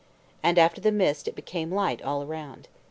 And after the mist it became light all around.